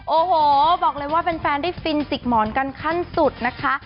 โอ้โหบอกเลยว่าแฟนได้ฟินจิกหมอนกันขั้นสุดนะคะ